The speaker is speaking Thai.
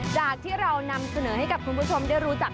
จากที่เรานำเสนอให้กับคุณผู้ชมได้รู้จัก